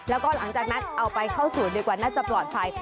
แล้วก็หลังจากนั้นเอาไปเข้าศูนย์ดีกว่าน่าจะปลอดภัย